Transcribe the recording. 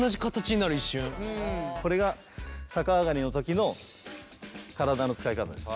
これが逆上がりの時の体の使い方です。